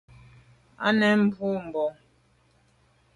À nèn boa bon.